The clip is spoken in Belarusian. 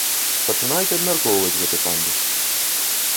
Пачынаюць абмяркоўваць гэты пандус.